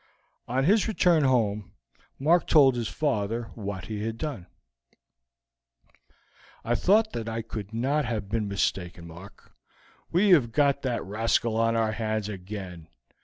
On his return home Mark told his father what he had done. "I thought that I could not have been mistaken, Mark; we have got that rascal on our hands again.